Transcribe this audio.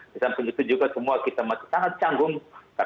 di samping itu juga semua kita masih sangat canggung